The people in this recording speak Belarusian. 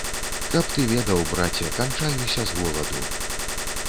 Каб ты ведаў, браце, канчаюся з голаду.